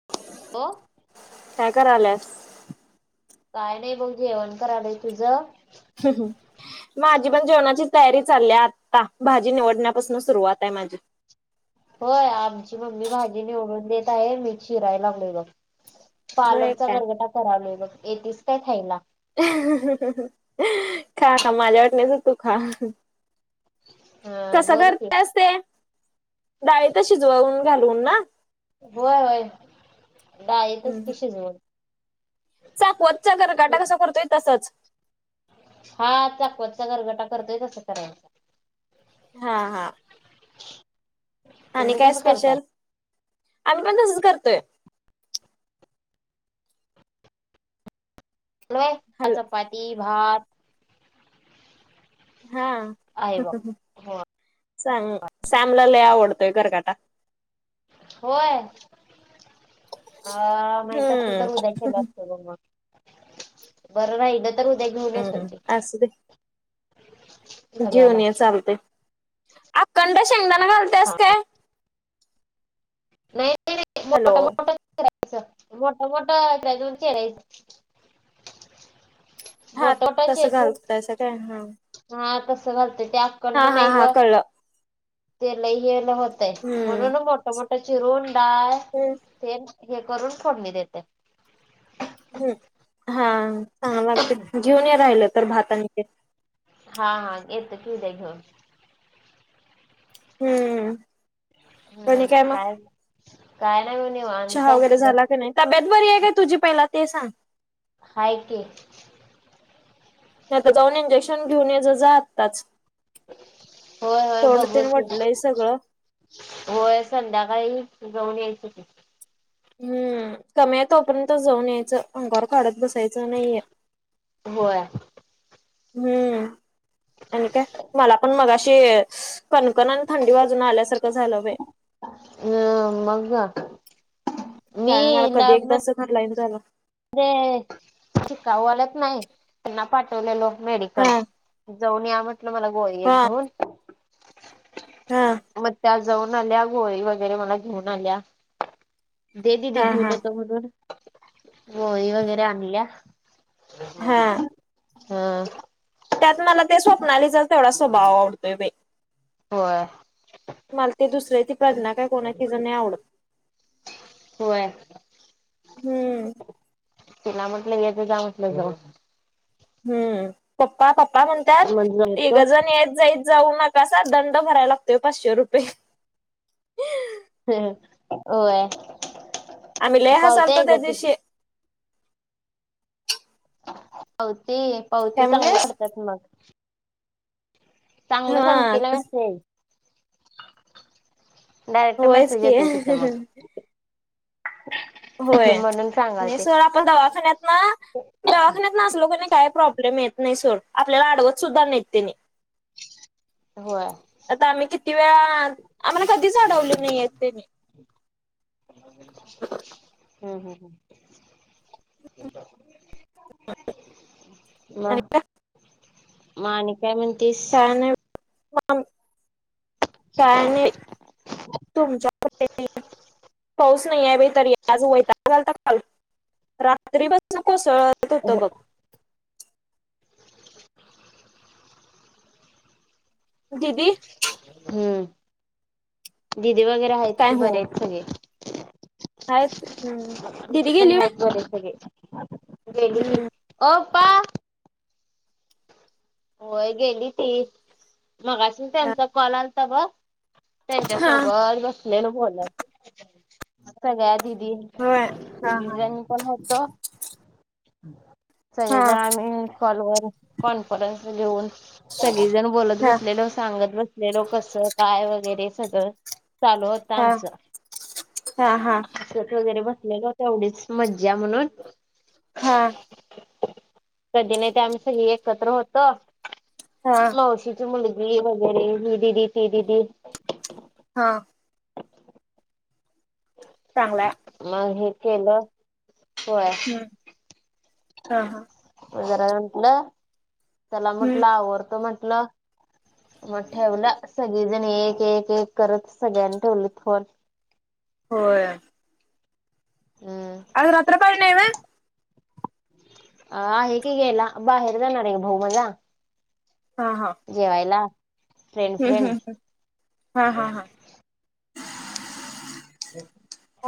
[unintelligible] हो. काय कराल्यास. काय नाही बघ जेवण करालोय तुझं, माझी पण जेवणाची तयारी चालली आहे आता भाजी निवडण्यापासून सुरुवात आहे माझी. होय आमची मम्मी भाजी निवडून देत आहे मी चिरायला लागले बघ. होय पालकचा काय? गरगटा कराला मग येेतेस काय ख्यायला. खा खा माझ्या वाटनेच तू खा. हा कसं बोल की करतेस ते डाळी तर शिजवून घालून ना. होय होय दाळीतच की शीजवून. चकवतचा गरगटा कसा करतोय तसंच. हा चाकवतचा गरगटा करतोयच तस करायच. हा हा. [unintelligible] आणि तुम्ही काय कसं करताय स्पेशल आम्ही पण तसच करतोय. लोय हॅलो चपाती भात. हा आहे बघ हो सांग समलाला आवडतोय गरगठा. होय अ माहित असत हम्म तर उद्या केलं असत बग मग. बरं राहिलं तर उद्या घेऊन येतो हम्म की. असू दे घेऊन डब्याला ये चालते अकंड शेंगदाणा घालतेस हा काय? नाही नाही नाही मोटा हॅलो मोठा, रायच मोठा मोठा कयच खरायच हा तस घालतायसा काय हा. हा तसं घालतोय ते अकंड हा हा नाही हा बग कळलं ते लई तय म्हणून मोठ मोठं चिरून डाळ हो. तेन हे करून फोडणी देत्या. हम् हा चांग वागते घेऊन राहिलं तर भातानी ते, हा हा येत की द्या घेऊन. हम्म. आणि हम्म मग काय काय नाही बग निवांत हाय तब्यात बरी आहे काय तुझी पहिला ते सांग. हाय की, नाही आता जाऊन इंजेक्शन घेऊन ये ज जातातच होय होय तोंड बघू तीन की वडलंय सगळं होय संध्याकाळी जाऊन यायचं त हम्म कमी आहे तोपर्यंत जाऊन यायचं अंकारवर काढत बसायचं नाहीये. होय. हम्म. आणि काय मला पण मग अशी कणकण आणि थंडी बाजून आल्यासारखं झालं बाय. हम मग. कारण मला कधी एकदाच घर लाईन झालं रे शिकाऊ आलंत नाही त्यांना पाठवलेलो मेडिकल हा जाऊन या म्हटलं मला गोरी एक हा घेऊन हा मग त्या जाऊन आल्या गोळी वगैरे मला घेऊन आल्या दे ददी हा घेऊन हा येतो म्हणून. मोळी वगैरे आणली आहे हा हा त्यात मला ते स्वप्नालीचा तेवढा स्वभाव आवडतोय बा हो मला ते दुसर्या ती प्रज्ञ काय कोणाची ज नाही आवडत होय हम्म तिला म्हटलं याच जा म्हटलं जाऊ हम्म पप्पा पप्पा म्हणतात मग एक येतो जण येत जाईत जाऊ नका सर दंड भरायला लागतोय पाचशे रुपये ह होय आम्ही लय हसायला पावती तो आहे त्या ग ती दिवशी पावते काय पावते चांगले म्हणलीस ठतात मग चांगलं हा संपलं मसे डयरेक्ट होयच मेसेज की होेत तत मग होय म्हणून सांगाल आणि ते सर आपण दवाखान्यात ना दाखण्यात नास लोकांनी काही प्रॉब्लेम येत नाही सोड आपल्याला आडवत सुद्धा नाहीत त्यांनी होय आता आम्ही किती वेळा आम्हाला कधीच अडवली नाहीय हम्म हम् ह म मा न काय म्हणतेस त्यान त्यान तुमच्या पाऊस नाही आहे बा तरी आज वैताल रात्रीपसून कोसळत होत बघ [inaudible] दिदी हम्म दिदी वगैरे आहेत कि बरे आहेत सगळे हाच पण आहेत बर सगळे हम्म. पा होय गेली ती मग असेल त्यांचा कॉल आलता बघ त्यांच्या हा सोबत बसलेल बोलत सगळ्या दिदी होय हा हा डिझाईन पण होत हा सगळेजण आम्ही कॉलवर कॉन्फरन्स घेऊन सगळीजण बोलत हा बसलेलो सांगत बसलेलो कसं काय वगैरे सगळं चालू होत हा हा हा आमचं वगैरे बसलेल तेवढीच मज्जा म्हणून हा कधी नाही ते आम्ही सगळी एकत्र होतो हा कळशीची मुलगी वगैरे ही दिदी ती दिदी. हा चांगलंय मग हे केलं हो य हम्म. हा हा जरा म्हटलं त्याला हम्म. म्हटलं आवरतो म्हंटलं मग ठेवलं सगळीजण एक एक एक करत सगळ्यांनी ठेवलेत फोन होय हम्म आज रात पाली नाही व्हय अ आहे की गेला बाहेर जाणार आहे भाऊ मजा. हा हा जेवायला फ्रेंड हम्म फ्रेंड हम्म हम्म. हा हा हा हो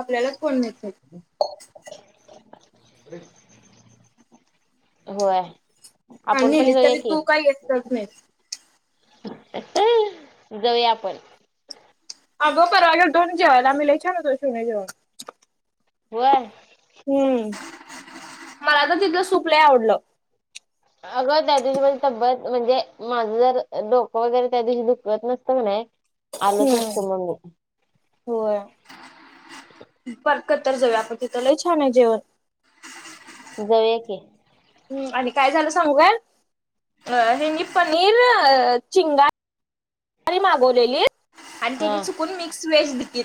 आपल्यालाच कोण देत. [unintelligible] होय. हा आपण पण नेलीस जाऊया तरी की. तू काही यतच नाही. [unintelligible] जाऊया आपण. अगं परवा गेलतो आणि जेवायला आम्ही. लय छान होतं शिवणे जेवण. होय. हम्म. मला तर तिथलं सुप लय आवडलं. अगं, त्या दिवशी माजी तब्बेत. म्हणजे माझं, जर डोकं वगैरे त्या दिवशी दुखवत नसतं. कणाय आलोच हम्म असतो. मग मी. होय. परत कधी तर जाऊया, आपण. तिथं लय छानय जेवण. जाऊया की. ह् आणि काय झालं सांगू काय? हेनी पनीर अ चिंगा मागवलेली. आणि हा त्यानी चुकून मिक्स व्हेज दिली.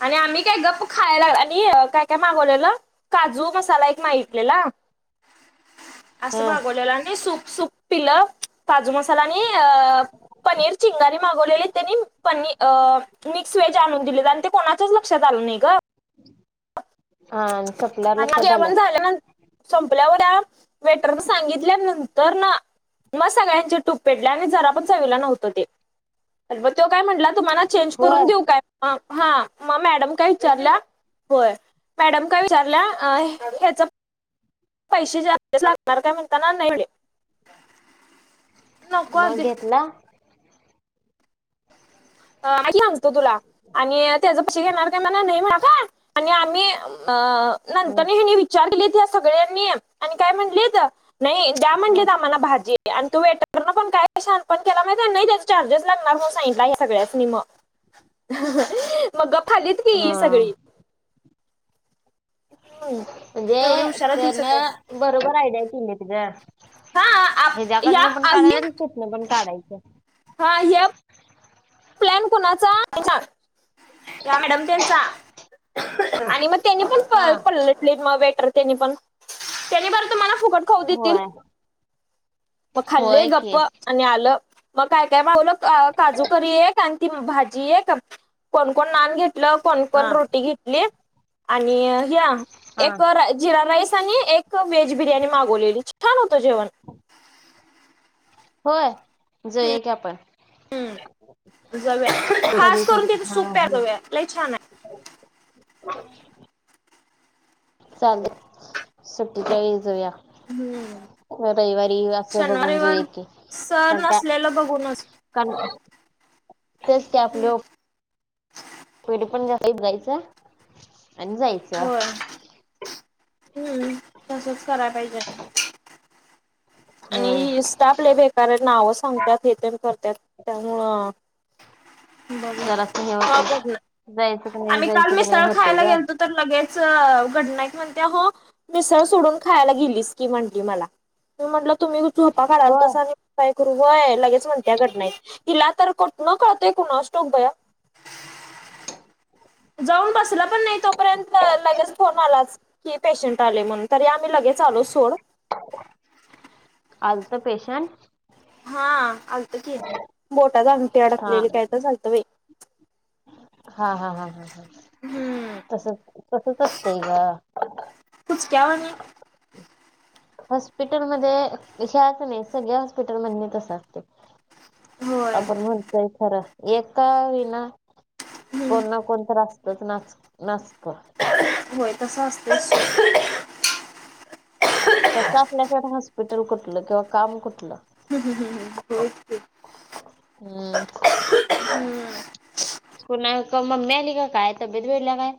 आणि आम्ही काय गप खायला आणि काय - काय मागवलेलं. काजू मसाला एक माहितलेला. असं हा मागवलेलं. आणि सूप -सुप पिलं. काजू मसाला आणि अ पनीर, चिंगारी मागवलेले. त्यांनी पनी अ मिक्स व्हेज आणून दिलेत. आणि ते कोणाच्याच लक्षात आलं नाही गं. हा आणि सपल्यावर आणि लक्षात आलं. [unintelligible] संपल्यावर त्या वेटरन सांगितल्या नंतर ना. मग सगळ्यांचे टूप पेटल्या. आणि जरा पण चवीला नव्हतं ते. अ तो काय म्हटला. तुम्हाला चेंज होय करून देऊ काय? हा मग मॅडम काय विचारल्या होय. मॅडम काय विचारल्या? ह्याच पैसे जास्त लागणार का? म्हणताना [unintelligible] नको मग असुदे घेतला? अ सांगतो तुला. आणि त्याच्यापशी घेणार का मणा, नाही माका. आणि आम्ही अ हम्म नंतरनि हेनी विच विचार केलेत या सगळ्यांनी. आणि काय म्हणलेत. नाही, द्या हम्म म्हणलेत आम्हाला भाजी. आणि तू वेटरन पण काही शानपण केला माहितय. नाही, त्याचे चार्जेस लागणार मनून सा सांगितल्या सगळ्यासनी मग. [unintelligible] मग गप खालीत की, हा सगळी. हं. म्हणजे, तेनं बरोबर आयडिया केलीत गं. हा आप- या हज्याकडनं पण आम्ही काढायचं न [unintelligible] न पण काढायचं. हा [unintelligible] प्लॅन कुणाचा? या मॅडम त्यांचा आणि मग त्यांनी पण हा पल्ल -पलटले वेटर त्यांनी पण. त्यांनी बर तुम्हाला फुकट खाऊ देतील. होय मग खाल्ले होय गप्प की आणि आलं. मग काय- काय मावलं काजू करी एक आन ती भाजी एक. कोण -कोण नान घेतलं. कोण -कोण हा रोटी घेतली आणि ह्या, हा एक रा जिरा राईस आणि एक वेज बिर्याणी मागवलेली. छान होतं जेवण. होय. जाऊया की, आपण. जाऊया. कधी खास करून तरी तिथे हा सूप प्याया जाऊया. लय छानय. [unintelligible] चाले. सुट्टीच्या वेळी जाऊया. हम्म रविवारी असं, शनिवार बघून रविवार जाऊया की. सण छोटा असलेलं बघूनच [unintelligible] तेच ते आपलं [unintelligible] पण जायचं आणि जायचं. होय हम्म. तसच कराय पाहिजे. हम्म आणि स्टाफ लई बेकार नाव सांगतात हे तेन करतात त्यामुळं [unintelligible] जरासं हे बघ ना होतंय जायचं का नाही आम्ही काल जायचं का नाही मिसळ होतंय खायला ग गेलतो! तर लगेच घडनाईक म्हणते हो मिसळ सोडून खायला गेलीस की म्हटली मला मी म्हटलं तुम्ही झोपा होय काढलातासा आणि काय करू होय लगेच म्हणते घडनाईत तिला तर कुठन कळतेय कुणास ठाऊक भया जाऊन बसला पण नाही तोपर्यंत लगेच फोन आलाच की पेशंट आले म्हणून तरी आम्ही लगेच आलो सोड आलत पेशंट हा आलत की बोटात अंगठी हा अडकलेली काय तर झालतं बाई हा हा हा ह ह हम्म. तस तसच असतंय ग पुुच क्या वाणी [inaudible] हॉस्पिटलमध्ये ह्याच्याच नाही सगळ्या हॉस्पिटल मदनी तसं असतय. होय आपण म्हणतय खरं एका विना कोण ना कोण तर असतय. तरच नाच नाचतं [unintelligible] होय तसं असतच. [unintelligible] तसं आपल्याच्या हॉस्पिटल कुठलं किंवा काम कुठलं [unintelligible] [unintelligible] हम्म [inaudible] कुणाला मम्मी आली का काय तब्येत बिघडल्या काय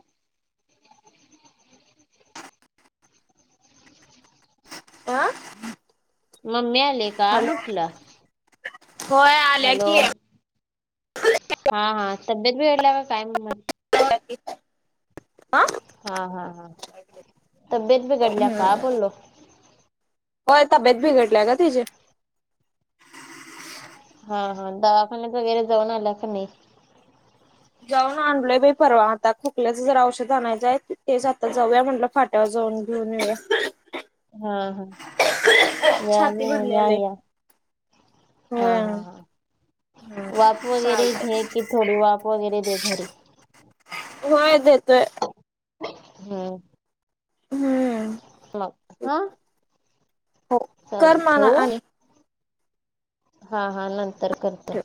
आ [inaudible] मम्मी आले का हॅलो म्हटलं होय आल्या हॅलो की हा -हा तब्येत बिघडल्या काय म्हणून म्हटलं हा हा हा हा तबीयेत बीघडल्या काय बोललो होता बिघडल्या ग त्याची हा -हा दवाखान्याच वगैरे जाऊन आला काय नाही. जाऊन आणलंय बाई परवा आता खोकल्याचं जर औषध आणायचंय तेच आता जाऊया म्हटलं फाट आता जाऊन घेऊन येऊया. [unintelligible] हा- हा छाती यायलोय भरली या आलय या हा होय हा वाफ वगैरे चालतंय घे कि थोडी वाफ वगैरे दे घरी होय देतोय. हम्म! हम्म! मग हां हो कर मगं ठेवू आणि हा हा नंतर करतो. ठेव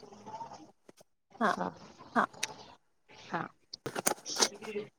हा हा [inaudible] हा [unintelligible]